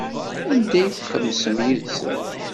Anda ay txemmsem yid-sen?